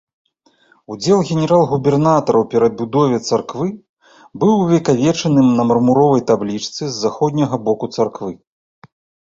Удзел генерал-губернатара ў перабудове царквы быў увекавечаны на мармуровай таблічцы з заходняга боку царквы.